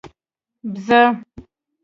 🐐 بزه